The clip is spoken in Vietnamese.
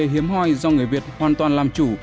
hiếm hoi do người việt hoàn toàn làm chủ